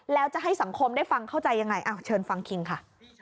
แล้วจะให้สังคมได้ฟังเข้าใจยังไงเชิญฟังคิงค่ะ